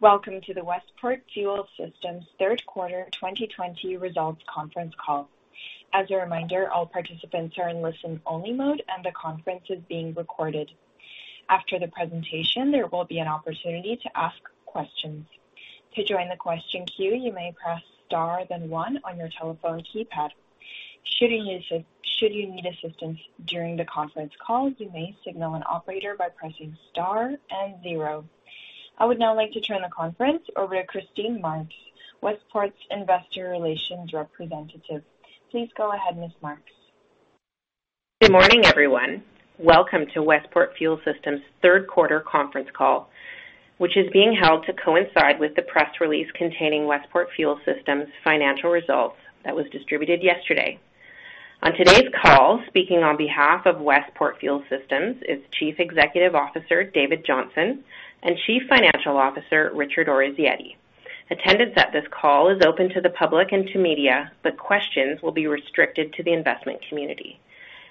Welcome to the Westport Fuel Systems Q3 2020 results conference call. I would now like to turn the conference over to Christine Marks, Westport's investor relations representative. Please go ahead, Ms. Marks. Good morning, everyone. Welcome to Westport Fuel Systems Q3 conference call, which is being held to coincide with the press release containing Westport Fuel Systems financial results that was distributed yesterday. On today's call, speaking on behalf of Westport Fuel Systems is Chief Executive Officer, David Johnson, and Chief Financial Officer, Richard Orazietti. Attendance at this call is open to the public and to media, but questions will be restricted to the investment community.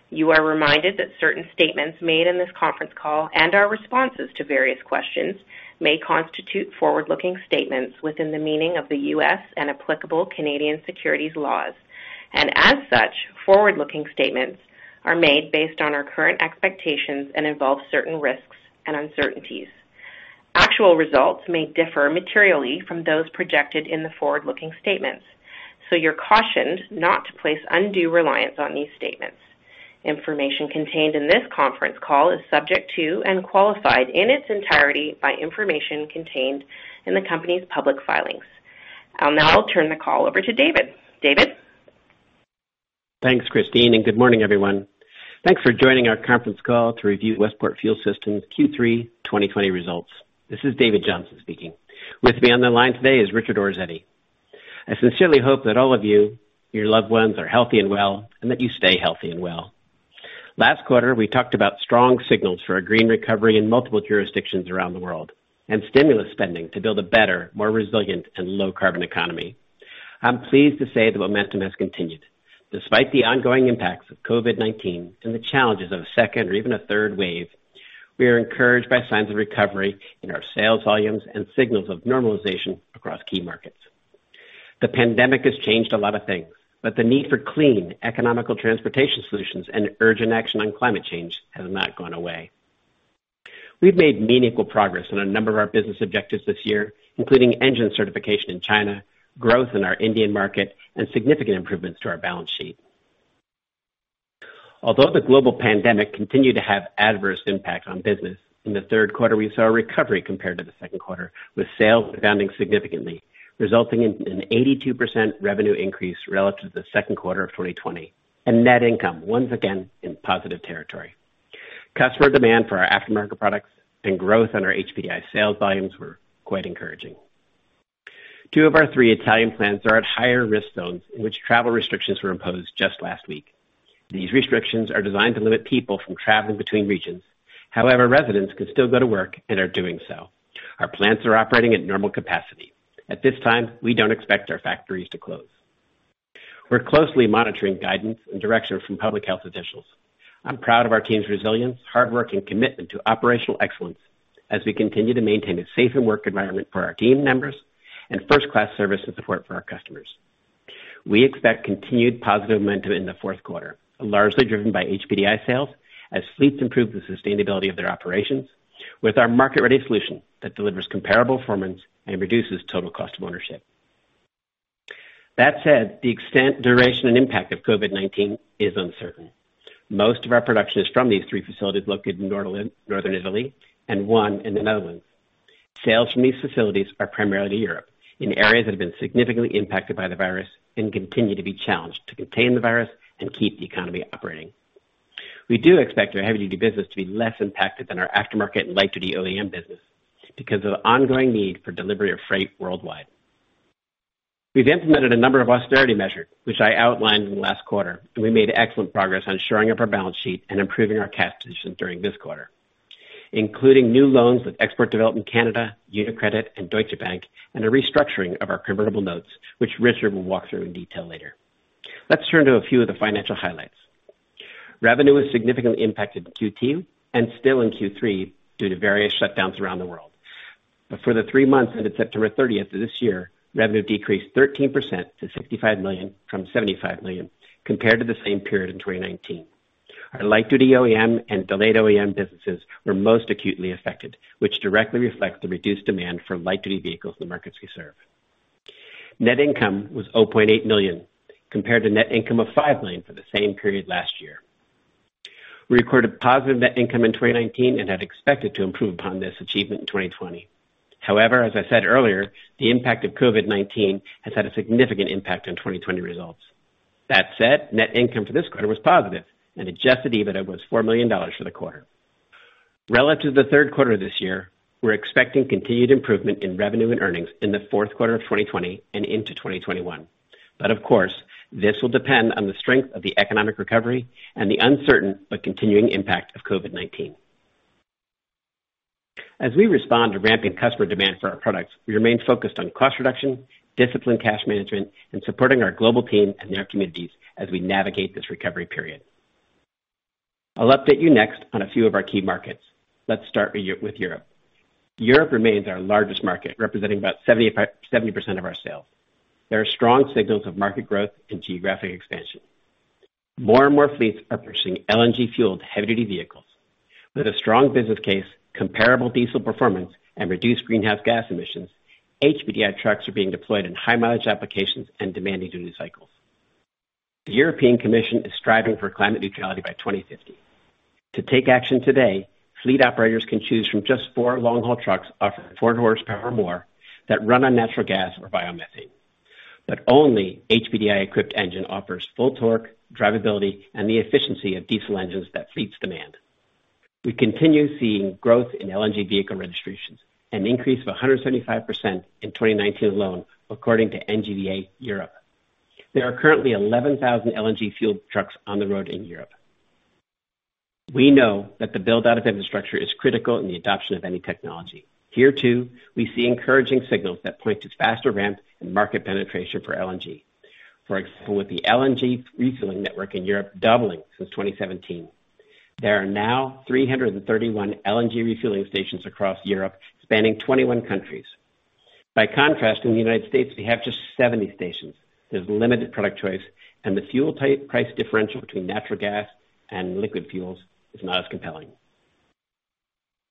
You are reminded that certain statements made in this conference call and our responses to various questions may constitute forward-looking statements within the meaning of the U.S. and applicable Canadian securities laws. As such, forward-looking statements are made based on our current expectations and involve certain risks and uncertainties. Actual results may differ materially from those projected in the forward-looking statements. You're cautioned not to place undue reliance on these statements. Information contained in this conference call is subject to and qualified in its entirety by information contained in the company's public filings. I'll now turn the call over to David. David? Thanks, Christine, and good morning, everyone. Thanks for joining our conference call to review Westport Fuel Systems' Q3 2020 results. This is David Johnson speaking. With me on the line today is Richard Orazietti. I sincerely hope that all of you, your loved ones, are healthy and well, and that you stay healthy and well. Last quarter, we talked about strong signals for a green recovery in multiple jurisdictions around the world, and stimulus spending to build a better, more resilient, and low-carbon economy. I'm pleased to say the momentum has continued. Despite the ongoing impacts of COVID-19 and the challenges of a second or even a third wave, we are encouraged by signs of recovery in our sales volumes and signals of normalization across key markets. The pandemic has changed a lot of things, but the need for clean, economical transportation solutions and urgent action on climate change has not gone away. We've made meaningful progress on a number of our business objectives this year, including engine certification in China, growth in our Indian market, and significant improvements to our balance sheet. Although the global pandemic continued to have adverse impact on business, in the Q3, we saw a recovery compared to the Q2, with sales rebounding significantly, resulting in an 82% revenue increase relative to the Q2 of 2020, and net income once again in positive territory. Customer demand for our aftermarket products and growth on our HPDI sales volumes were quite encouraging. Two of our three Italian plants are at higher risk zones in which travel restrictions were imposed just last week. These restrictions are designed to limit people from traveling between regions. However, residents can still go to work and are doing so. Our plants are operating at normal capacity. At this time, we don't expect our factories to close. We're closely monitoring guidance and direction from public health officials. I'm proud of our team's resilience, hard work, and commitment to operational excellence as we continue to maintain a safer work environment for our team members and first-class service and support for our customers. We expect continued positive momentum in the Q4, largely driven by HPDI sales as fleets improve the sustainability of their operations with our market-ready solution that delivers comparable performance and reduces total cost of ownership. That said, the extent, duration, and impact of COVID-19 is uncertain. Most of our production is from these three facilities located in Northern Italy and one in the Netherlands. Sales from these facilities are primarily Europe, in areas that have been significantly impacted by the virus and continue to be challenged to contain the virus and keep the economy operating. We do expect our heavy-duty business to be less impacted than our aftermarket and light-duty OEM business because of the ongoing need for delivery of freight worldwide. We've implemented a number of austerity measures, which I outlined in the last quarter, and we made excellent progress on shoring up our balance sheet and improving our cash position during this quarter, including new loans with Export Development Canada, UniCredit, and Deutsche Bank, and a restructuring of our convertible notes, which Richard will walk through in detail later. Let's turn to a few of the financial highlights. Revenue was significantly impacted in Q2 and still in Q3 due to various shutdowns around the world. For the three months ended September 30th of this year, revenue decreased 13% to $65 million from $75 million compared to the same period in 2019. Our light-duty OEM and delayed OEM businesses were most acutely affected, which directly reflects the reduced demand for light-duty vehicles in the markets we serve. Net income was $0.8 million compared to net income of $5 million for the same period last year. We recorded positive net income in 2019 and had expected to improve upon this achievement in 2020. However, as I said earlier, the impact of COVID-19 has had a significant impact on 2020 results. That said, net income for this quarter was positive, and adjusted EBITDA was $4 million for the quarter. Relative to the Q3 this year, we're expecting continued improvement in revenue and earnings in the Q4 of 2020 and into 2021. Of course, this will depend on the strength of the economic recovery and the uncertain but continuing impact of COVID-19. As we respond to ramping customer demand for our products, we remain focused on cost reduction, disciplined cash management, and supporting our global team and their communities as we navigate this recovery period. I'll update you next on a few of our key markets. Let's start with Europe. Europe remains our largest market, representing about 70% of our sales. There are strong signals of market growth and geographic expansion. More and more fleets are purchasing LNG-fueled heavy-duty vehicles. With a strong business case, comparable diesel performance, and reduced greenhouse gas emissions, HPDI trucks are being deployed in high mileage applications and demanding duty cycles. The European Commission is striving for climate neutrality by 2050. To take action today, fleet operators can choose from just four long-haul trucks offering 400 horsepower or more that run on natural gas or biomethane. Only HPDI-equipped engine offers full torque, drivability, and the efficiency of diesel engines that fleets demand. We continue seeing growth in LNG vehicle registrations, an increase of 175% in 2019 alone, according to NGVA Europe. There are currently 11,000 LNG fueled trucks on the road in Europe. We know that the build-out of infrastructure is critical in the adoption of any technology. Here, too, we see encouraging signals that point to faster ramp and market penetration for LNG. For example, with the LNG refueling network in Europe doubling since 2017. There are now 331 LNG refueling stations across Europe, spanning 21 countries. By contrast, in the U.S., we have just 70 stations. There's limited product choice, and the fuel price differential between natural gas and liquid fuels is not as compelling.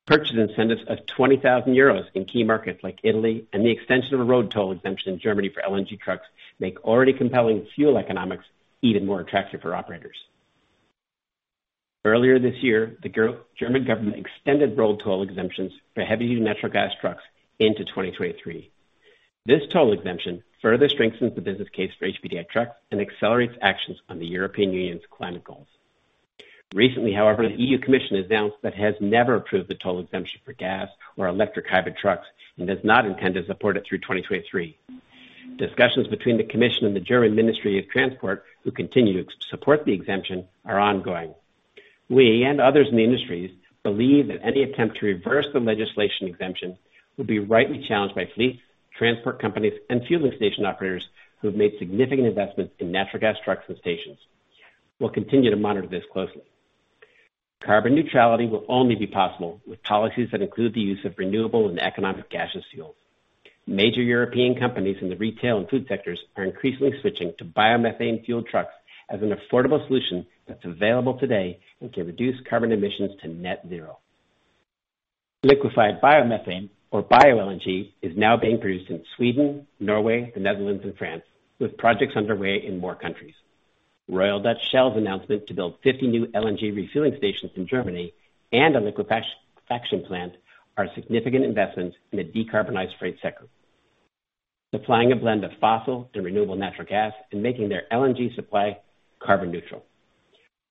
Purchase incentives of 20,000 euros in key markets like Italy, and the extension of a road toll exemption in Germany for LNG trucks make already compelling fuel economics even more attractive for operators. Earlier this year, the German government extended road toll exemptions for heavy-duty natural gas trucks into 2023. This toll exemption further strengthens the business case for HPDI trucks and accelerates actions on the European Union's climate goals. Recently, however, the EU Commission announced that it has never approved the toll exemption for gas or electric hybrid trucks and does not intend to support it through 2023. Discussions between the Commission and the German Ministry of Transport, who continue to support the exemption, are ongoing. We, and others in the industries, believe that any attempt to reverse the legislation exemption will be rightly challenged by fleets, transport companies, and fueling station operators who have made significant investments in natural gas trucks and stations. We'll continue to monitor this closely. Carbon neutrality will only be possible with policies that include the use of renewable and economic gaseous fuels. Major European companies in the retail and food sectors are increasingly switching to biomethane fueled trucks as an affordable solution that's available today and can reduce carbon emissions to net zero. Liquefied biomethane or bio-LNG, is now being produced in Sweden, Norway, the Netherlands, and France, with projects underway in more countries. Royal Dutch Shell's announcement to build 50 new LNG refueling stations in Germany and a liquefaction plant are significant investments in a decarbonized freight sector. Supplies a blend of fossil and renewable natural gas and making their LNG supply carbon neutral.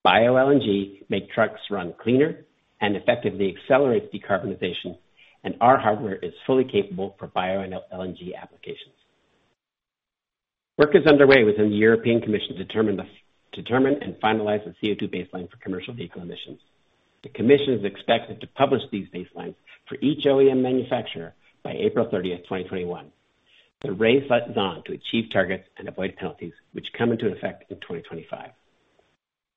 Bio-LNG make trucks run cleaner and effectively accelerates decarbonization, and our hardware is fully capable for bio-LNG applications. Work is underway within the European Commission to determine and finalize the CO2 baseline for commercial vehicle emissions. The Commission is expected to publish these baselines for each OEM manufacturer by April 30th, 2021. The race is on to achieve targets and avoid penalties, which come into effect in 2025.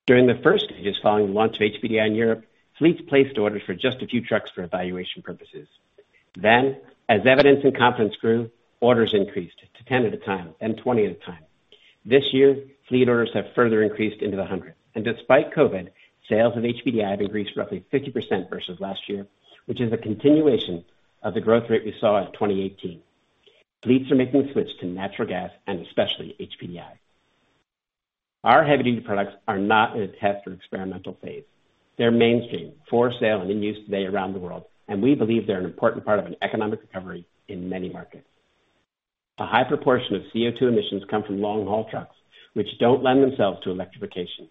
During the first stages following the launch of HPDI in Europe, fleets placed orders for just a few trucks for evaluation purposes. Then, as evidence and confidence grew, orders increased to 10 at a time, then 20 at a time. This year, fleet orders have further increased into the hundreds. Despite COVID, sales of HPDI have increased roughly 50% versus last year, which is a continuation of the growth rate we saw in 2018. Fleets are making the switch to natural gas and especially HPDI. Our heavy-duty products are not in a test or experimental phase. They're mainstream, for sale and in use today around the world, and we believe they're an important part of an economic recovery in many markets. A high proportion of CO2 emissions come from long-haul trucks, which don't lend themselves to electrification.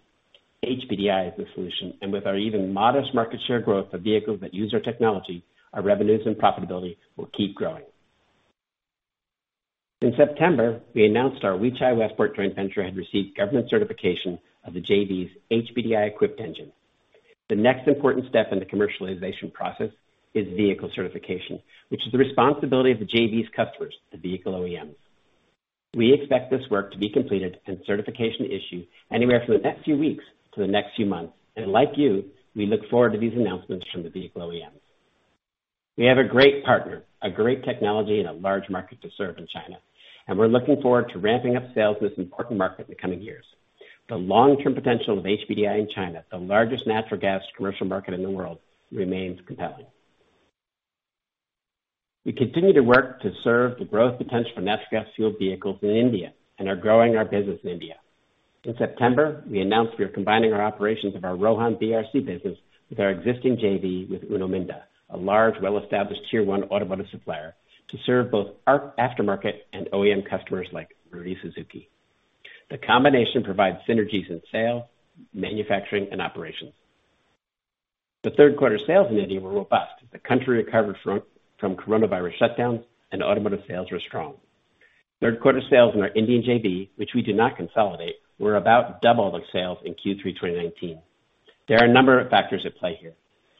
HPDI is the solution, and with our even modest market share growth of vehicles that use our technology, our revenues and profitability will keep growing. In September, we announced our Weichai Westport joint venture had received government certification of the JV's HPDI-equipped engine. The next important step in the commercialization process is vehicle certification, which is the responsibility of the JV's customers, the vehicle OEMs. We expect this work to be completed and certification issued anywhere from the next few weeks to the next few months. Like you, we look forward to these announcements from the vehicle OEMs. We have a great partner, a great technology, and a large market to serve in China. We're looking forward to ramping up sales in this important market in the coming years. The long-term potential of HPDI in China, the largest natural gas commercial market in the world, remains compelling. We continue to work to serve the growth potential for natural gas fueled vehicles in India and are growing our business in India. In September, we announced we are combining our operations of our Rohan BRC business with our existing JV with Uno Minda, a large, well-established tier 1 automotive supplier to serve both our aftermarket and OEM customers like Maruti Suzuki. The combination provides synergies in sale, manufacturing, and operations. The Q3 sales in India were robust. The country recovered from COVID-19 shutdowns, and automotive sales were strong. Q3 sales in our Indian JV, which we do not consolidate, were about double the sales in Q3 2019. There are a number of factors at play here.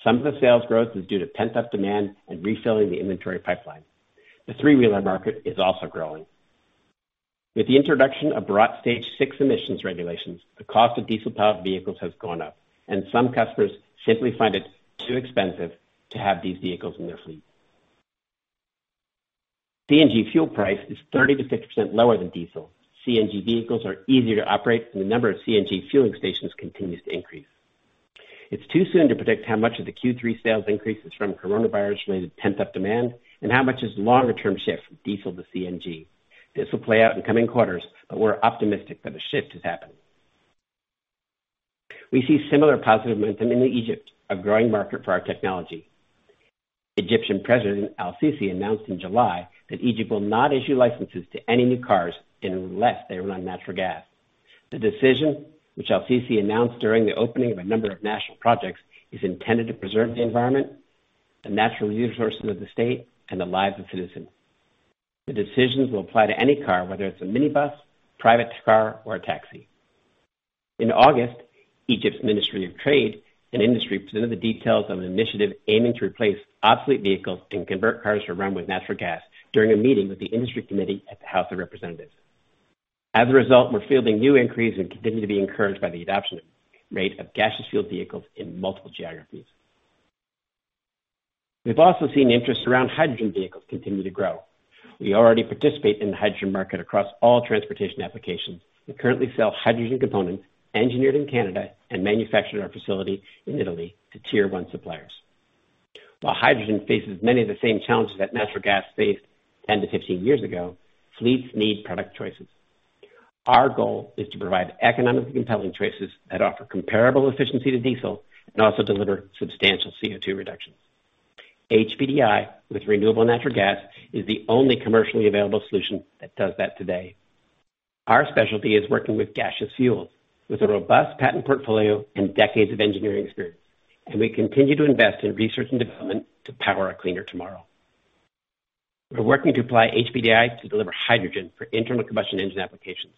Some of the sales growth is due to pent-up demand and refilling the inventory pipeline. The three-wheeler market is also growing. With the introduction of Bharat Stage VI emissions regulations, the cost of diesel-powered vehicles has gone up, and some customers simply find it too expensive to have these vehicles in their fleet. CNG fuel price is 30% - 60% lower than diesel. CNG vehicles are easier to operate, and the number of CNG fueling stations continues to increase. It's too soon to predict how much of the Q3 sales increase is from coronavirus-related pent-up demand and how much is longer-term shift from diesel to CNG. This will play out in coming quarters, but we're optimistic that a shift has happened. We see similar positive momentum in Egypt, a growing market for our technology. Egyptian President Al-Sisi announced in July that Egypt will not issue licenses to any new cars unless they run on natural gas. The decision, which Al-Sisi announced during the opening of a number of national projects, is intended to preserve the environment, the natural resources of the state, and the lives of citizens. The decisions will apply to any car, whether it's a minibus, private car, or a taxi. In August, Egypt's Ministry of Trade and Industry presented the details of an initiative aiming to replace obsolete vehicles and convert cars to run with natural gas during a meeting with the Industry Committee at the House of Representatives. As a result, we're fielding new inquiries and continue to be encouraged by the adoption rate of gaseous fueled vehicles in multiple geographies. We've also seen interest around hydrogen vehicles continue to grow. We already participate in the hydrogen market across all transportation applications. We currently sell hydrogen components engineered in Canada and manufactured in our facility in Italy to tier 1 suppliers. While hydrogen faces many of the same challenges that natural gas faced 10 - 15 years ago, fleets need product choices. Our goal is to provide economically compelling choices that offer comparable efficiency to diesel and also deliver substantial CO2 reductions. HPDI with renewable natural gas is the only commercially available solution that does that today. Our specialty is working with gaseous fuel, with a robust patent portfolio and decades of engineering experience, and we continue to invest in research and development to power a cleaner tomorrow. We're working to apply HPDI to deliver hydrogen for internal combustion engine applications.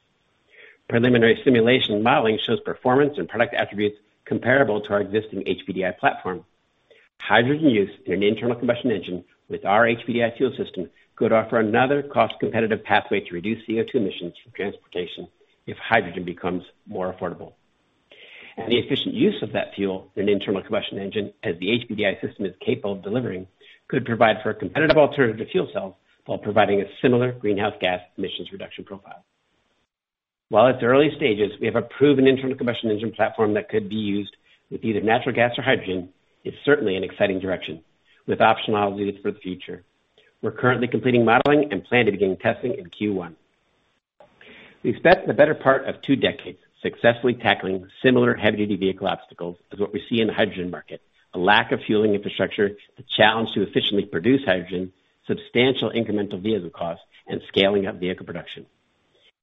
Preliminary simulation modeling shows performance and product attributes comparable to our existing HPDI platform. Hydrogen used in an internal combustion engine with our HPDI fuel system could offer another cost-competitive pathway to reduce CO2 emissions from transportation if hydrogen becomes more affordable. The efficient use of that fuel in an internal combustion engine, as the HPDI system is capable of delivering, could provide for a competitive alternative to fuel cells while providing a similar greenhouse gas emissions reduction profile. While it's early stages, we have a proven internal combustion engine platform that could be used with either natural gas or hydrogen. It's certainly an exciting direction with optionality for the future. We're currently completing modeling and plan to begin testing in Q1. We've spent the better part of two decades successfully tackling similar heavy-duty vehicle obstacles as what we see in the hydrogen market, a lack of fueling infrastructure, the challenge to efficiently produce hydrogen, substantial incremental vehicle costs, and scaling up vehicle production.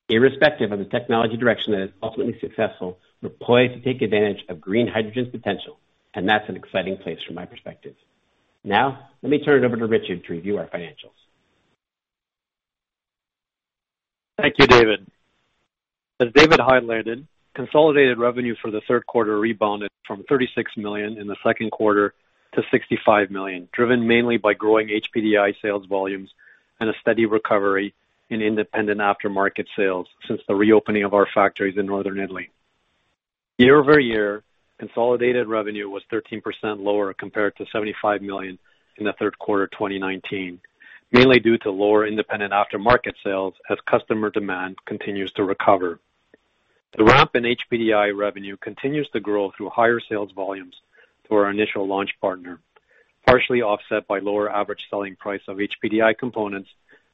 Irrespective of the technology direction that is ultimately successful, we're poised to take advantage of green hydrogen's potential, and that's an exciting place from my perspective. Let me turn it over to Richard to review our financials. Thank you, David. As David highlighted, consolidated revenue for the Q3 rebounded from $36 million in the Q2 to $65 million, driven mainly by growing HPDI sales volumes and a steady recovery in independent aftermarket sales since the reopening of our factories in Northern Italy. Year-over-year, consolidated revenue was 13% lower compared to $75 million in the Q3 of 2019, mainly due to lower independent aftermarket sales as customer demand continues to recover. The ramp in HPDI revenue continues to grow through higher sales volumes through our initial launch partner, partially offset by lower average selling price of HPDI components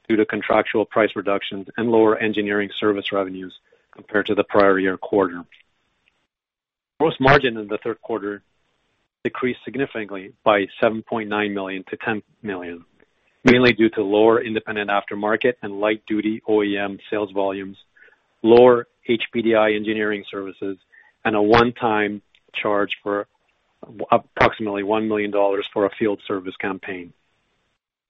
due to contractual price reductions and lower engineering service revenues compared to the prior year quarter. Gross margin in the Q3 decreased significantly by $7.9 million to $10 million, mainly due to lower independent aftermarket and light-duty OEM sales volumes, lower HPDI engineering services, and a one-time charge for approximately $1 million for a field service campaign.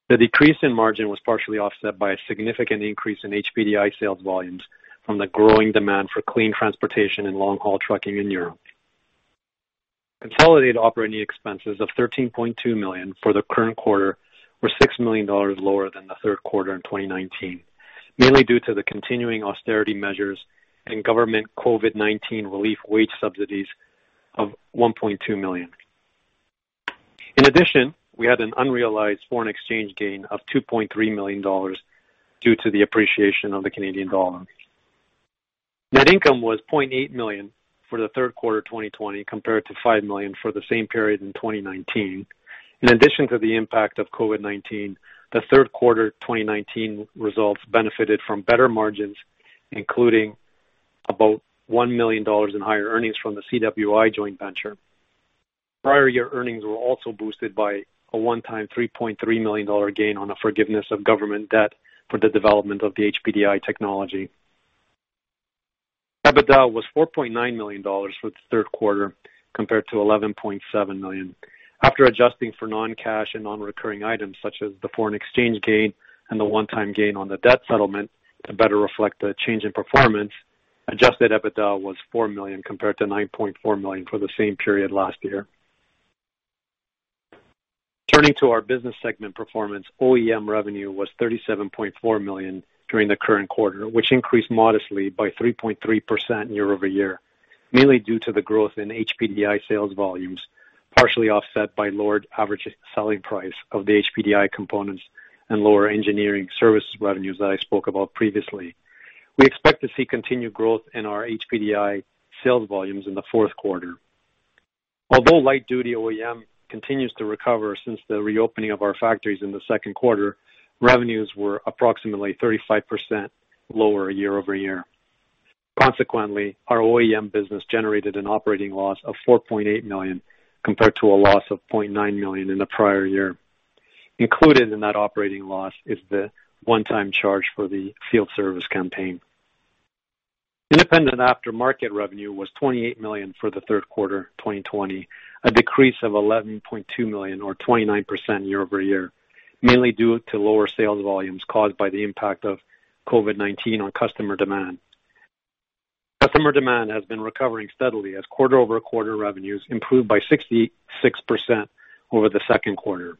The decrease in margin was partially offset by a significant increase in HPDI sales volumes from the growing demand for clean transportation and long-haul trucking in Europe. Consolidated operating expenses of $13.2 million for the current quarter were $6 million lower than the Q3 in 2019, mainly due to the continuing austerity measures and government COVID-19 relief wage subsidies of $1.2 million. In addition, we had an unrealized foreign exchange gain of $2.3 million due to the appreciation of the Canadian dollar. Net income was $0.8 million for the Q3 2020, compared to $5 million for the same period in 2019. In addition to the impact of COVID-19, the Q3 2019 results benefited from better margins, including about $1 million in higher earnings from the CWI joint venture. Prior year earnings were also boosted by a one-time $3.3 million gain on the forgiveness of government debt for the development of the HPDI technology. EBITDA was $4.9 million for the Q3, compared to $11.7 million. After adjusting for non-cash and non-recurring items such as the foreign exchange gain and the one-time gain on the debt settlement to better reflect the change in performance, adjusted EBITDA was $4 million compared to $9.4 million for the same period last year. Turning to our business segment performance, OEM revenue was $37.4 million during the current quarter, which increased modestly by 3.3% year-over-year, mainly due to the growth in HPDI sales volumes, partially offset by lower average selling price of the HPDI components and lower engineering service revenues that I spoke about previously. We expect to see continued growth in our HPDI sales volumes in the Q4. Although light-duty OEM continues to recover since the reopening of our factories in the Q2, revenues were approximately 35% lower year-over-year. Consequently, our OEM business generated an operating loss of $4.8 million compared to a loss of $0.9 million in the prior year. Included in that operating loss is the one-time charge for the field service campaign. Independent aftermarket revenue was $28 million for the Q3 2020, a decrease of $11.2 million or 29% year-over-year, mainly due to lower sales volumes caused by the impact of COVID-19 on customer demand. Customer demand has been recovering steadily as quarter-over-quarter revenues improved by 66% over the Q2.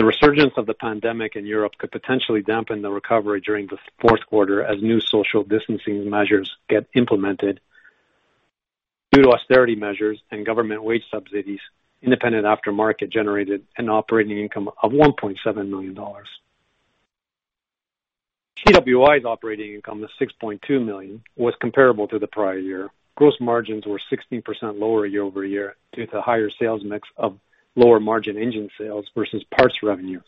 The resurgence of the pandemic in Europe could potentially dampen the recovery during the Q4 as new social distancing measures get implemented. Due to austerity measures and government wage subsidies, independent aftermarket generated an operating income of $1.7 million. CWI's operating income of $6.2 million was comparable to the prior year. Gross margins were 16% lower year-over-year due to higher sales mix of lower margin engine sales versus parts revenue.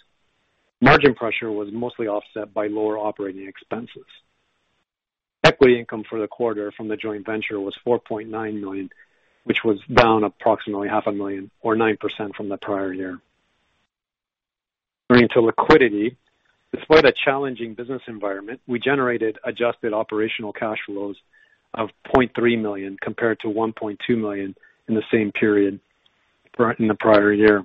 Margin pressure was mostly offset by lower operating expenses. Equity income for the quarter from the joint venture was $4.9 million, which was down approximately half a million or nine percent from the prior year. Turning to liquidity. Despite a challenging business environment, we generated adjusted operational cash flows of $0.3 million compared to $1.2 million in the same period in the prior year.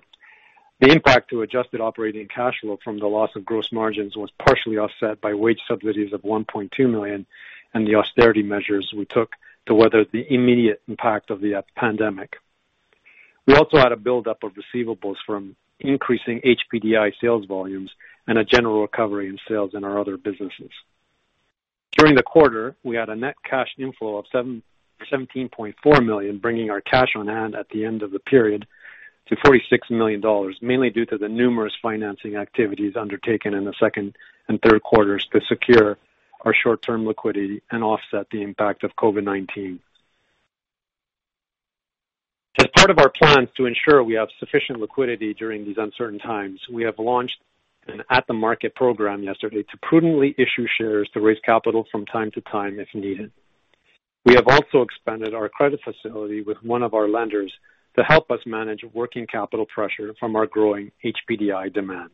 The impact to adjusted operating cash flow from the loss of gross margins was partially offset by wage subsidies of $1.2 million and the austerity measures we took to weather the immediate impact of the pandemic. We also had a buildup of receivables from increasing HPDI sales volumes and a general recovery in sales in our other businesses. During the quarter, we had a net cash inflow of $17.4 million, bringing our cash on hand at the end of the period to $46 million, mainly due to the numerous financing activities undertaken in the Q2 and Q3 to secure our short-term liquidity and offset the impact of COVID-19. As part of our plans to ensure we have sufficient liquidity during these uncertain times, we have launched an at-the-market program yesterday to prudently issue shares to raise capital from time to time if needed. We have also expanded our credit facility with one of our lenders to help us manage working capital pressure from our growing HPDI demand.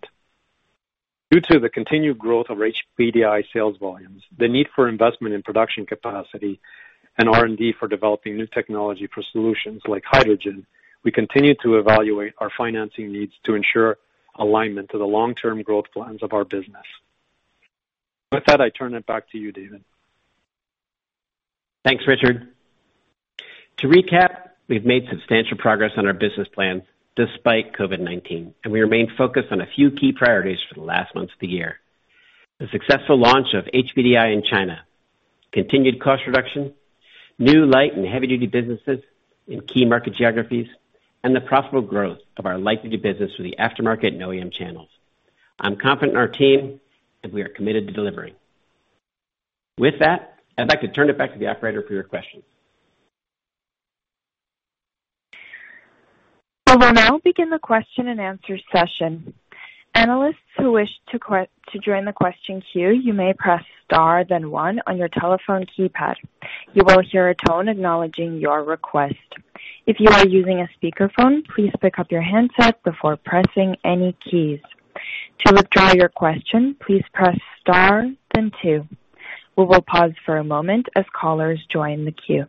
Due to the continued growth of HPDI sales volumes, the need for investment in production capacity and R&D for developing new technology for solutions like hydrogen, we continue to evaluate our financing needs to ensure alignment to the long-term growth plans of our business. With that, I turn it back to you, David. Thanks, Richard. To recap, we've made substantial progress on our business plan despite COVID-19, and we remain focused on a few key priorities for the last months of the year. The successful launch of HPDI in China, continued cost reduction, new light and heavy duty businesses in key market geographies, and the profitable growth of our light duty business through the aftermarket and OEM channels. I'm confident in our team that we are committed to delivering. With that, I'd like to turn it back to the operator for your questions. We will now begin the question and answer session. Analysts who wish to join the question queue, you may press star then one on your telephone keypad. You will hear a tone acknowledging your request. If you are using a speakerphone, please pick up your handset before pressing any keys. To withdraw your question, please press star then two. We will pause for a moment as callers join the queue.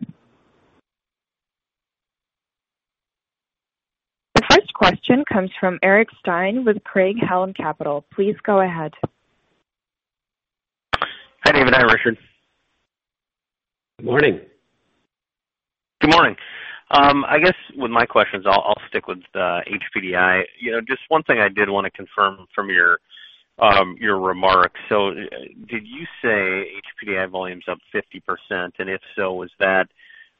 The first question comes from Eric Stine with Craig-Hallum Capital. Please go ahead. Hi, David. Hi, Richard. Morning. Good morning. I guess with my questions, I'll stick with the HPDI. Just one thing I did want to confirm from your remarks. Did you say HPDI volume's up 50%? If so, is that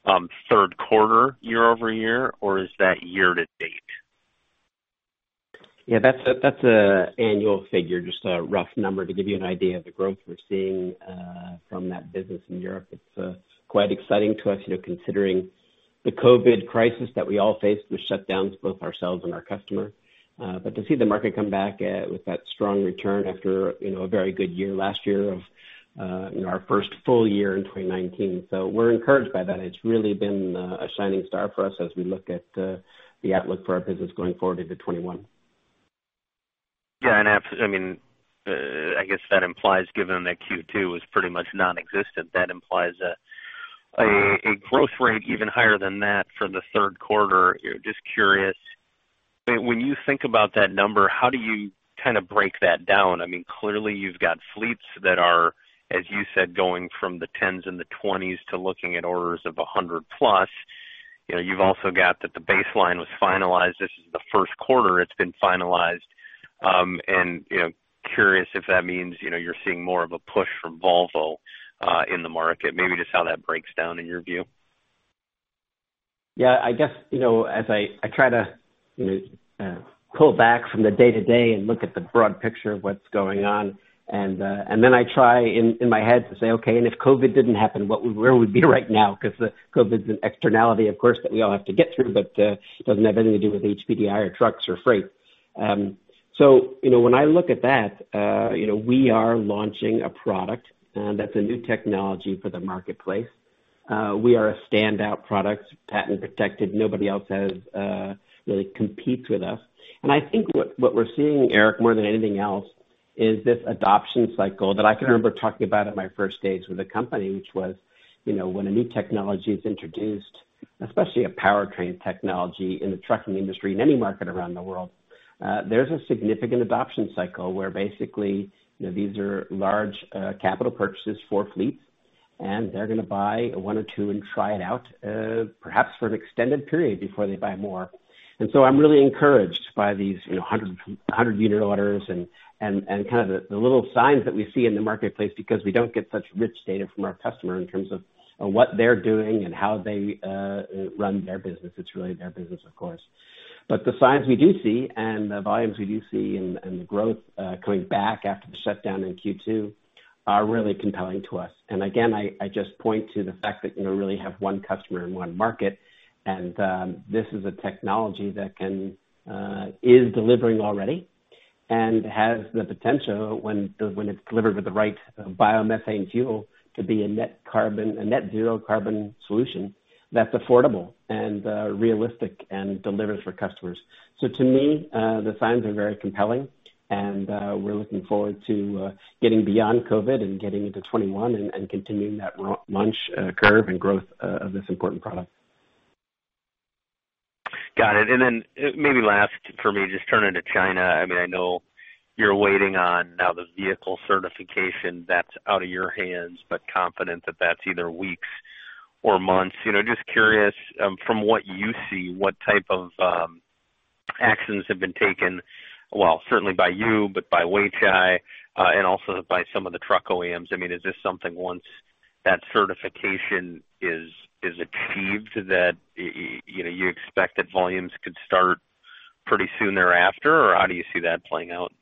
Q3 year-over-year, or is that year to date? Yeah, that's an annual figure, just a rough number to give you an idea of the growth we're seeing from that business in Europe. It's quite exciting to us considering the COVID crisis that we all faced with shutdowns, both ourselves and our customer. To see the market come back with that strong return after a very good year last year of our first full year in 2019. We're encouraged by that. It's really been a shining star for us as we look at the outlook for our business going forward into 2021. Yeah. I guess that implies given that Q2 was pretty much nonexistent, that implies a growth rate even higher than that for the Q3. Just curious, when you think about that number, how do you kind of break that down? Clearly you've got fleets that are, as you said, going from the tens and the twenties to looking at orders of 100 plus. You've also got that the baseline was finalized. This is the Q1 it's been finalized. Curious if that means you're seeing more of a push from Volvo in the market. Maybe just how that breaks down in your view. Yeah, I guess as I try to pull back from the day-to-day and look at the broad picture of what's going on, then I try in my head to say, okay, if COVID didn't happen, where would we be right now? COVID is an externality, of course, that we all have to get through, but doesn't have anything to do with HPDI or trucks or freight. When I look at that, we are launching a product that's a new technology for the marketplace. We are a standout product, patent protected. Nobody else really competes with us. I think what we're seeing, Eric, more than anything else, is this adoption cycle that I can remember talking about in my first days with the company, which was, when a new technology is introduced, especially a powertrain technology in the trucking industry, in any market around the world, there's a significant adoption cycle where basically, these are large capital purchases for fleets, and they're going to buy one or two and try it out, perhaps for an extended period before they buy more. I'm really encouraged by these 100-unit orders and the little signs that we see in the marketplace because we don't get such rich data from our customer in terms of what they're doing and how they run their business. It's really their business, of course. The signs we do see and the volumes we do see and the growth coming back after the shutdown in Q2 are really compelling to us. Again, I just point to the fact that we really have one customer in one market, and this is a technology that is delivering already and has the potential when it's delivered with the right biomethane fuel, to be a net zero carbon solution that's affordable and realistic and delivers for customers. To me, the signs are very compelling, and we're looking forward to getting beyond COVID and getting into 2021 and continuing that launch curve and growth of this important product. Got it. Maybe last for me, just turning to China. I know you're waiting on now the vehicle certification that's out of your hands, but confident that that's either weeks or months. Just curious, from what you see, what type of actions have been taken, well, certainly by you, but by Weichai, and also by some of the truck OEMs. Is this something once that certification is achieved, that you expect that volumes could start pretty soon thereafter, or how do you see that playing out?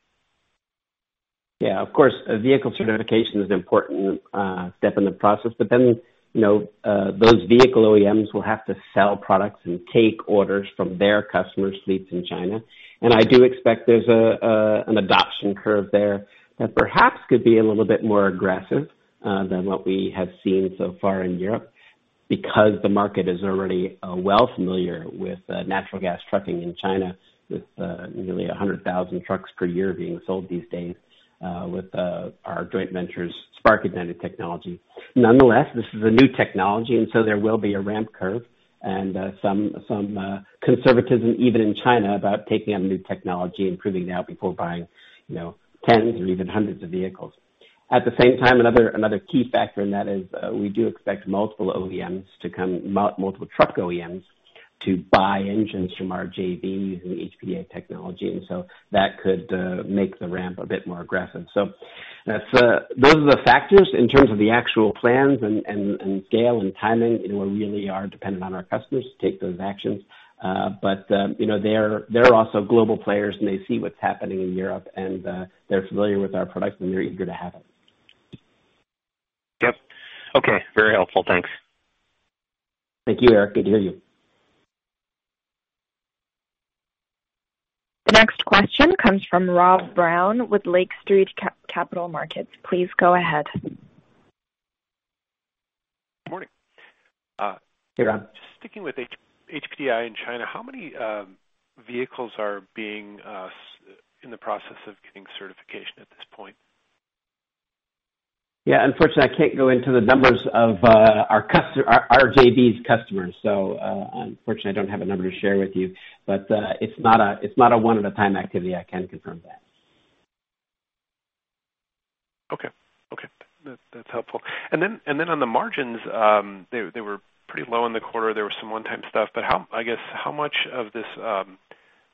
Of course, vehicle certification is an important step in the process. Those vehicle OEMs will have to sell products and take orders from their customer fleets in China. I do expect there's an adoption curve there that perhaps could be a little bit more aggressive than what we have seen so far in Europe because the market is already well familiar with natural gas trucking in China, with nearly 100,000 trucks per year being sold these days with our joint ventures spark-ignited technology. Nonetheless, this is a new technology, and so there will be a ramp curve and some conservatism even in China about taking on new technology and proving it out before buying tens or even hundreds of vehicles. At the same time, another key factor in that is we do expect multiple truck OEMs to buy engines from our JV using HPDI technology. That could make the ramp a bit more aggressive. Those are the factors. In terms of the actual plans and scale and timing, we really are dependent on our customers to take those actions. They're also global players, and they see what's happening in Europe, and they're familiar with our products, and they're eager to have it. Yep. Okay. Very helpful. Thanks. Thank you, Eric. Good to hear you. The next question comes from Rob Brown with Lake Street Capital Markets. Please go ahead. Morning. Hey, Rob. Just sticking with HPDI in China, how many vehicles are in the process of getting certification at this point? Yeah, unfortunately, I can't go into the numbers of our JV's customers. Unfortunately, I don't have a number to share with you, but it's not a one-at-a-time activity, I can confirm that. Okay. That's helpful. On the margins, they were pretty low in the quarter. There was some one-time stuff, but I guess, how much of this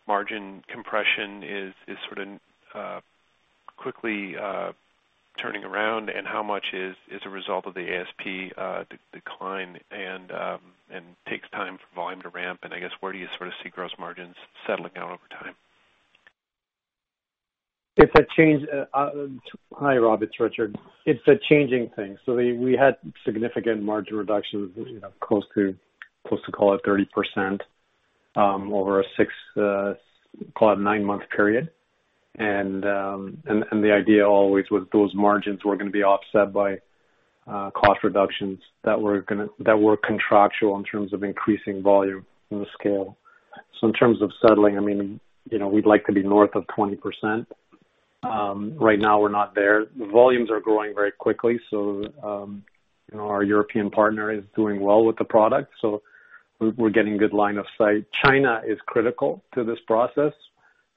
margin compression is sort of quickly turning around, and how much is a result of the ASP decline and takes time for volume to ramp, and I guess where do you sort of see gross margins settling out over time? Hi, Rob, it's Richard. It's a changing thing. We had significant margin reductions, close to call it 30% over a six, call it nine-month period. The idea always was those margins were going to be offset by cost reductions that were contractual in terms of increasing volume and the scale. In terms of settling, we'd like to be north of 20%. Right now we're not there. The volumes are growing very quickly. Our European partner is doing well with the product, so we're getting good line of sight. China is critical to this process.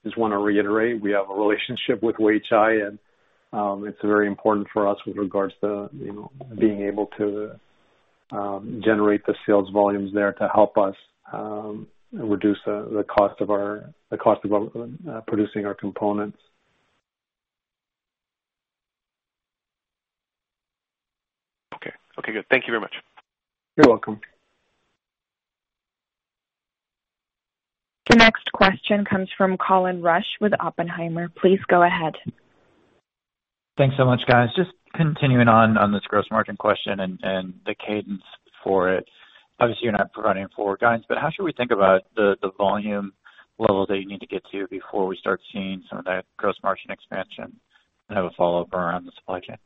I just want to reiterate, we have a relationship with Weichai, and it's very important for us with regards to being able to Generate the sales volumes there to help us reduce the cost of producing our components. Okay, good. Thank you very much. You're welcome. The next question comes from Colin Rusch with Oppenheimer. Please go ahead. Thanks so much, guys. Just continuing on this gross margin question and the cadence for it. Obviously, you're not providing forward guidance. How should we think about the volume level that you need to get to before we start seeing some of that gross margin expansion? I have a follow-up around the supply chain.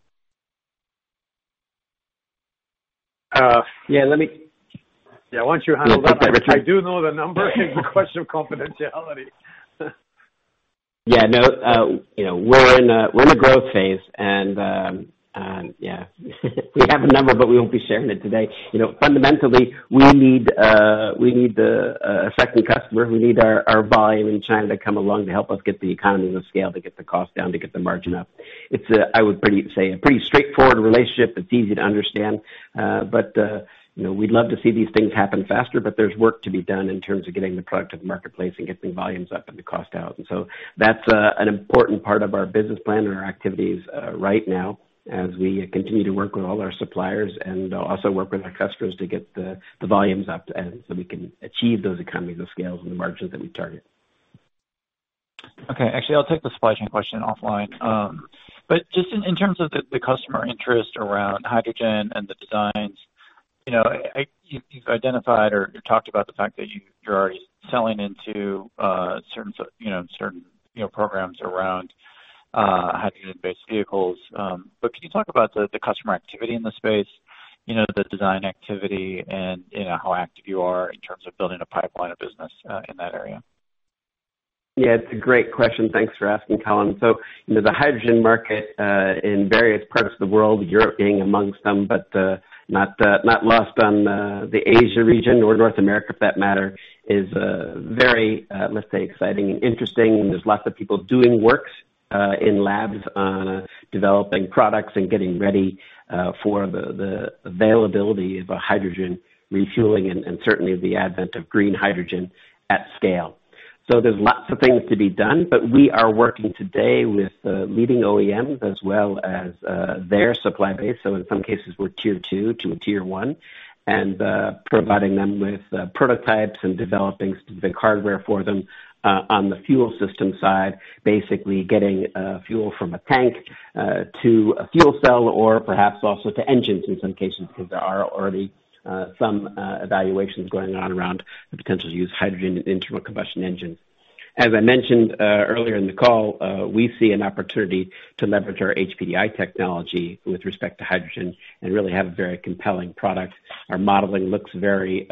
Yeah. Yeah. Why don't you handle that, Richard? I do know the number in question of confidentiality. Yeah. No, we're in a growth phase and, yeah, we have a number, but we won't be sharing it today. Fundamentally, we need a second customer. We need our volume in China to come along to help us get the economies of scale to get the cost down, to get the margin up. It's, I would say, a pretty straightforward relationship. It's easy to understand. We'd love to see these things happen faster, but there's work to be done in terms of getting the product to the marketplace and getting volumes up and the cost out. That's an important part of our business plan and our activities right now as we continue to work with all our suppliers and also work with our customers to get the volumes up and so we can achieve those economies of scale and the margins that we target. Okay. Actually, I'll take the supply chain question offline. In terms of the customer interest around hydrogen and the designs, you've identified or talked about the fact that you're already selling into certain programs around hydrogen-based vehicles. Can you talk about the customer activity in the space, the design activity, and how active you are in terms of building a pipeline of business in that area? Yeah, it's a great question. Thanks for asking, Colin. The hydrogen market, in various parts of the world, Europe being amongst them, but not lost on the Asia region or North America for that matter, is very, let's say, exciting and interesting, and there's lots of people doing works in labs on developing products and getting ready for the availability of a hydrogen refueling and certainly the advent of green hydrogen at scale. There's lots of things to be done, but we are working today with leading OEMs as well as their supply base. In some cases, we're tier 2 - tier 1 and providing them with prototypes and developing specific hardware for them, on the fuel system side, basically getting fuel from a tank to a fuel cell or perhaps also to engines in some cases, because there are already some evaluations going on around the potential to use hydrogen internal combustion engines. As I mentioned earlier in the call, we see an opportunity to leverage our HPDI technology with respect to hydrogen and really have a very compelling product. Our modeling looks very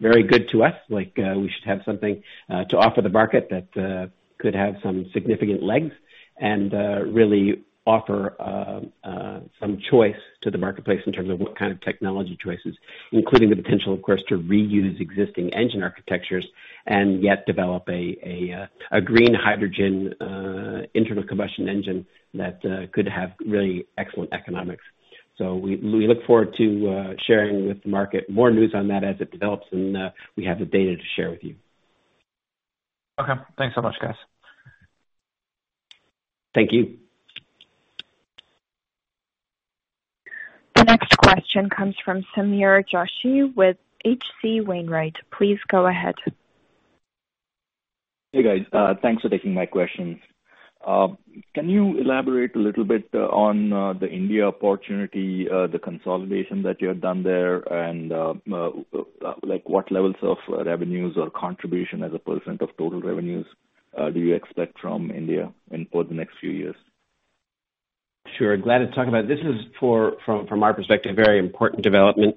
good to us, like we should have something to offer the market that could have some significant legs and really offer some choice to the marketplace in terms of what kind of technology choices, including the potential, of course, to reuse existing engine architectures and yet develop a green hydrogen internal combustion engine that could have really excellent economics. We look forward to sharing with the market more news on that as it develops and we have the data to share with you. Okay. Thanks so much, guys. Thank you. The next question comes from Sameer Joshi with H.C. Wainwright. Please go ahead. Hey, guys. Thanks for taking my questions. Can you elaborate a little bit on the India opportunity, the consolidation that you have done there, and what levels of revenues or contribution as a percent of total revenues do you expect from India over the next few years? Sure. Glad to talk about it. This is, from our perspective, a very important development.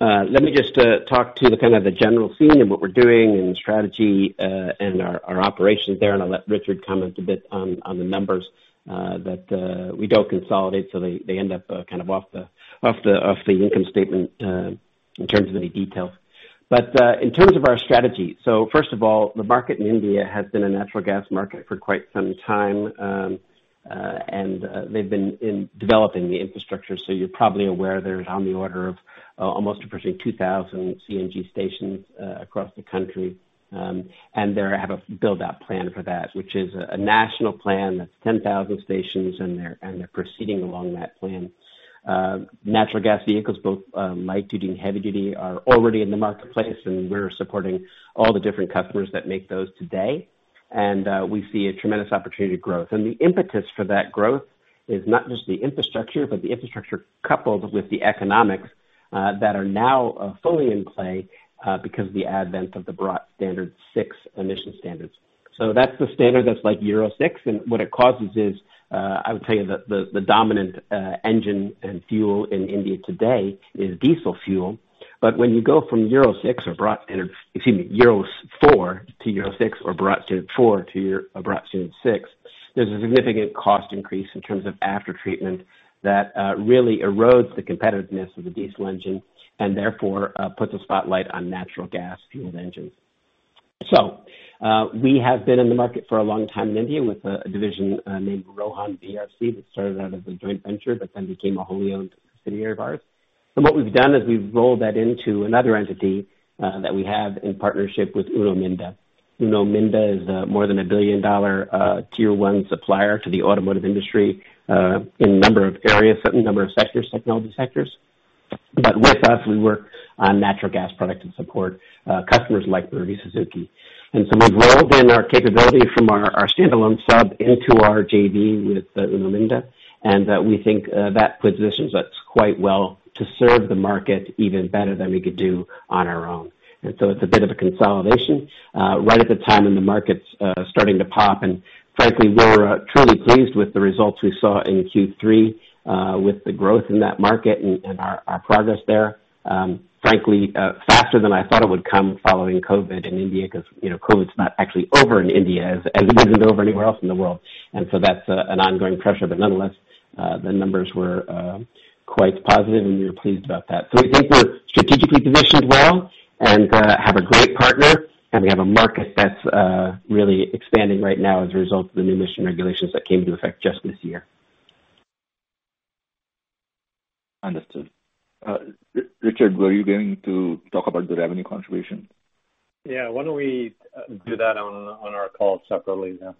Let me just talk to the kind of the general theme and what we're doing and the strategy, and our operations there, and I'll let Richard comment a bit on the numbers that we don't consolidate, so they end up kind of off the income statement, in terms of any details. In terms of our strategy, first of all, the market in India has been a natural gas market for quite some time. They've been developing the infrastructure. You're probably aware there's on the order of almost approaching 2,000 CNG stations across the country. They have a build-out plan for that, which is a national plan that's 10,000 stations, and they're proceeding along that plan. Natural gas vehicles, both light duty and heavy duty, are already in the marketplace. We're supporting all the different customers that make those today. We see a tremendous opportunity to growth. The impetus for that growth is not just the infrastructure, but the infrastructure coupled with the economics that are now fully in play because of the advent of the Bharat Stage VI emission standards. That's the standard that's like Euro 6, and what it causes is, I would tell you the dominant engine and fuel in India today is diesel fuel. When you go from Euro 6 or Bharat, excuse me, Euro 4 to Euro 6, or Bharat 4 to your Bharat standard 6, there is a significant cost increase in terms of after-treatment that really erodes the competitiveness of the diesel engine and therefore puts a spotlight on natural gas-fueled engines. So we have been in the market for a long time in India with a division named Rohan BRC that started out as a joint venture but then became a wholly owned subsidiary of ours. What we have done is we have rolled that into another entity that we have in partnership with Uno Minda. Uno Minda is more than a billion-dollar tier 1 supplier to the automotive industry in a number of areas, certain number of sectors, technology sectors. With us, we work on natural gas products and support customers like Maruti Suzuki. We've rolled in our capability from our standalone sub into our JV with Uno Minda, and we think that positions us quite well to serve the market even better than we could do on our own. It's a bit of a consolidation right at the time when the market's starting to pop. Frankly, we're truly pleased with the results we saw in Q3 with the growth in that market and our progress there. Frankly, faster than I thought it would come following COVID-19 in India, because COVID-19's not actually over in India as it isn't over anywhere else in the world. That's an ongoing pressure. Nonetheless, the numbers were quite positive, and we were pleased about that. We think we're strategically positioned well and have a great partner, and we have a market that's really expanding right now as a result of the new emission regulations that came into effect just this year. Understood. Richard, were you going to talk about the revenue contribution? Yeah. Why don't we do that on our call separately? Yeah.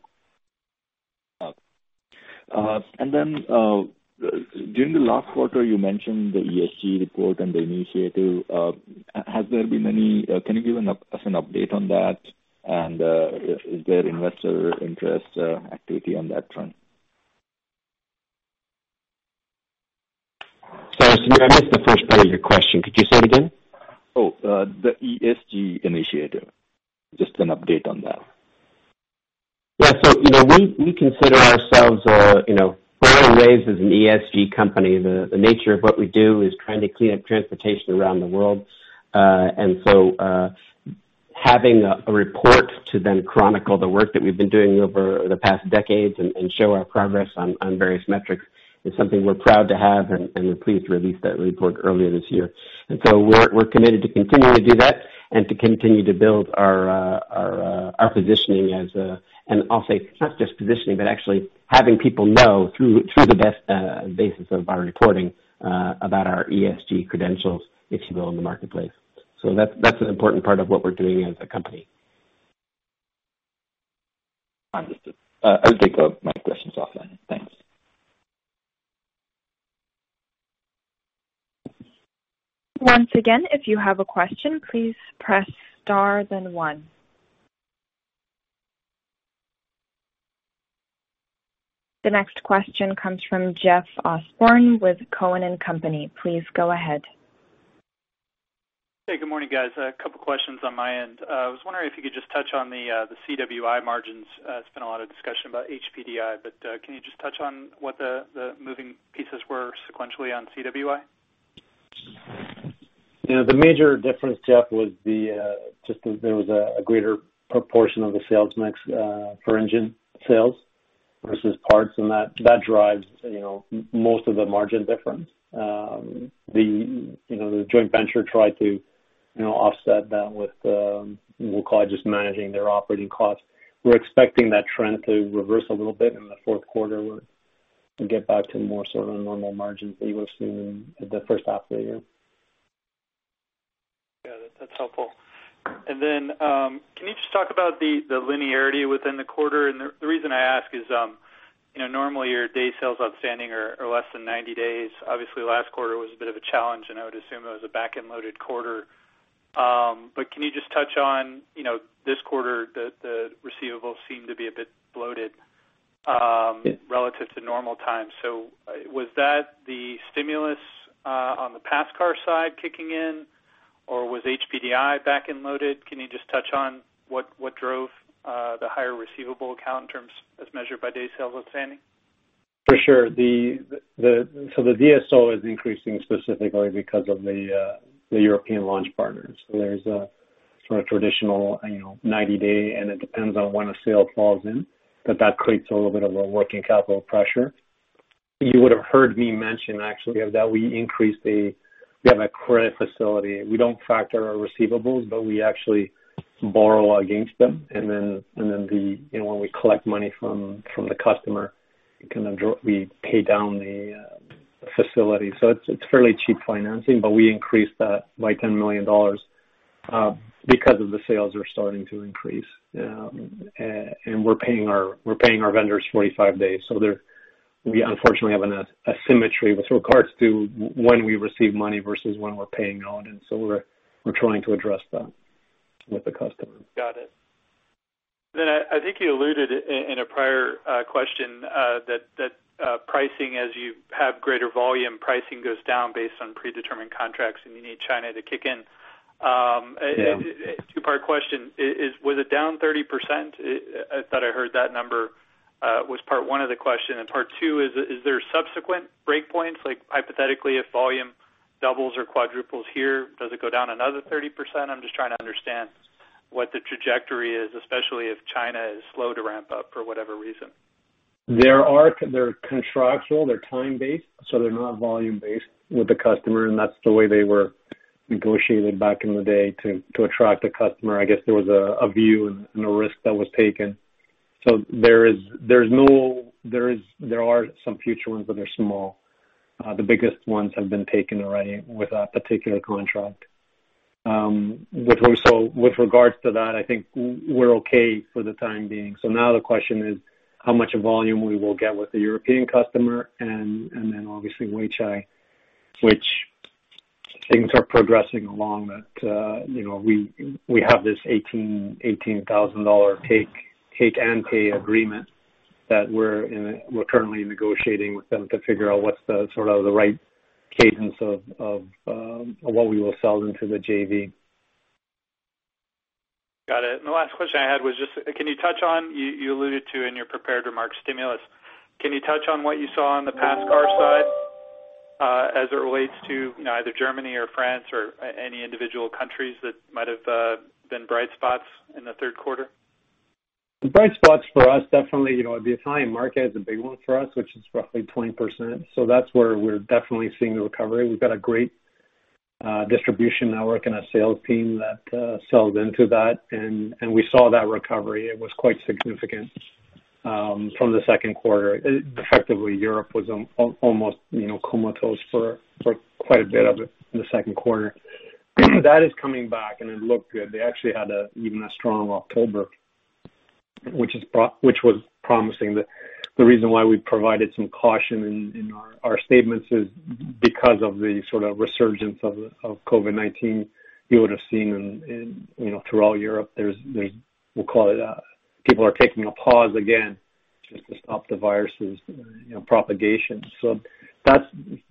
During the last quarter, you mentioned the ESG report and the initiative. Can you give us an update on that? Is there investor interest activity on that front? Sorry, Sameer, I missed the first part of your question. Could you say it again? Oh, the ESG initiative, just an update on that. Yeah. We consider ourselves born and raised as an ESG company. The nature of what we do is trying to clean up transportation around the world. Having a report to then chronicle the work that we've been doing over the past decades and show our progress on various metrics is something we're proud to have, and we're pleased to release that report earlier this year. We're committed to continuing to do that and to continue to build our positioning, and I'll say it's not just positioning, but actually having people know through the best basis of our reporting about our ESG credentials, if you will, in the marketplace. That's an important part of what we're doing as a company. Understood. I think my questions off then. Thanks. Once again, if you have a question, please press star, then one. The next question comes from Jeff Osborne with Cowen and Company. Please go ahead. Hey, good morning, guys. A couple questions on my end. I was wondering if you could just touch on the CWI margins. There's been a lot of discussion about HPDI, but can you just touch on what the moving pieces were sequentially on CWI? The major difference, Jeff, was just that there was a greater proportion of the sales mix for engine sales versus parts. That drives most of the margin difference. The joint venture tried to offset that with, we'll call it just managing their operating costs. We're expecting that trend to reverse a little bit in the Q4 and get back to more sort of normal margins that you were seeing in the first half of the year. Yeah, that's helpful. Can you just talk about the linearity within the quarter? The reason I ask is normally your day sales outstanding are less than 90 days. Obviously, last quarter was a bit of a challenge, and I would assume it was a back-end loaded quarter. Can you just touch on this quarter, the receivables seem to be a bit bloated relative to normal times. Was that the stimulus on the pass car side kicking in, or was HPDI back-end loaded? Can you just touch on what drove the higher receivable account in terms as measured by day sales outstanding? For sure. The DSO is increasing specifically because of the European launch partners. There's a sort of traditional 90-day, and it depends on when a sale falls in, but that creates a little bit of a working capital pressure. You would have heard me mention actually that we increased we have a credit facility. We don't factor our receivables, but we actually borrow against them and then when we collect money from the customer, we pay down the facility. It's fairly cheap financing, but we increased that by $10 million because of the sales are starting to increase. We're paying our vendors 45 days. We unfortunately have an asymmetry with regards to when we receive money versus when we're paying out, and so we're trying to address that with the customer. Got it. I think you alluded in a prior question that pricing as you have greater volume, pricing goes down based on predetermined contracts, and you need China to kick in. Yeah. A two-part question. Was it down 30%? I thought I heard that number was part one of the question. Part two is there subsequent breakpoints? Like hypothetically, if volume doubles or quadruples here, does it go down another 30%? I'm just trying to understand what the trajectory is, especially if China is slow to ramp up for whatever reason. They're contractual, they're time-based, so they're not volume-based with the customer, and that's the way they were negotiated back in the day to attract a customer. I guess there was a view and a risk that was taken. There are some future ones, but they're small. The biggest ones have been taken already with that particular contract. With regards to that, I think we're okay for the time being. Now the question is how much volume we will get with the European customer and then obviously Weichai, which things are progressing along that we have this $18,000 take and pay agreement that we're currently negotiating with them to figure out what's the right cadence of what we will sell into the JV. Got it. The last question I had was just, can you touch on, you alluded to in your prepared remarks, stimulus? Can you touch on what you saw on the pass car side as it relates to either Germany or France or any individual countries that might have been bright spots in the Q3? The bright spots for us, definitely, the Italian market is a big one for us, which is roughly 20%. That's where we're definitely seeing the recovery. We've got a great distribution network and a sales team that sells into that, and we saw that recovery. It was quite significant from the Q2. Effectively, Europe was almost comatose for quite a bit of the second quarter. That is coming back, and it looked good. They actually had even a strong October, which was promising. The reason why we provided some caution in our statements is because of the sort of resurgence of COVID-19. You would have seen in throughout Europe, we'll call it people are taking a pause again just to stop the virus' propagation.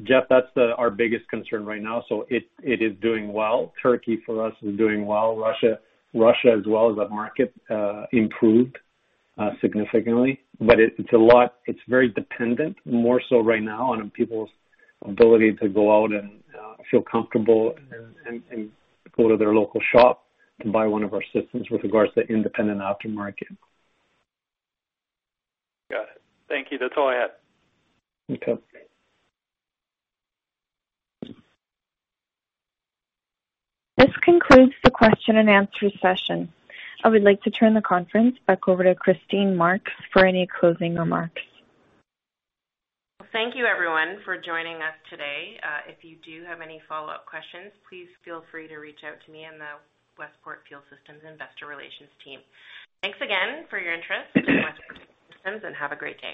Jeff, that's our biggest concern right now. It is doing well. Turkey for us is doing well. Russia as well as a market improved significantly. It's very dependent, more so right now, on people's ability to go out and feel comfortable and go to their local shop to buy one of our systems with regards to independent aftermarket. Got it. Thank you. That's all I had. Okay. This concludes the question and answer session. I would like to turn the conference back over to Christine Marks for any closing remarks. Thank you everyone for joining us today. If you do have any follow-up questions, please feel free to reach out to me and the Westport Fuel Systems investor relations team. Thanks again for your interest in Westport Fuel Systems, and have a great day.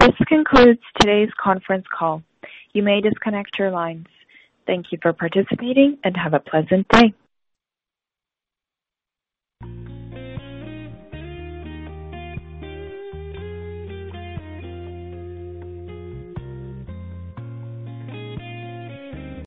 This concludes today's conference call. You may disconnect your lines. Thank you for participating, and have a pleasant day.